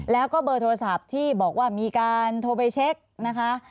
แล้วก็เบอร์โทรศัพท์ที่บอกว่ามีการโทรไปเช็คนะคะ